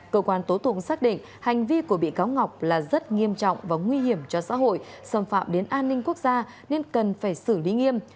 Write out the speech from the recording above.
cơ quan tố tụng xác định hành vi của bị cáo ngọc là rất nghiêm trọng và nguy hiểm cho xã hội xâm phạm đến an ninh quốc gia nên cần phải xử lý nghiêm